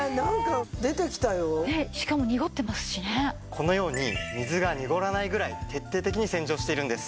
このように水が濁らないぐらい徹底的に洗浄しているんです。